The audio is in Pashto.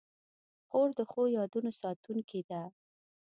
خور د ښو یادونو ساتونکې ده.